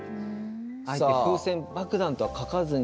あえて風船爆弾とは書かずに。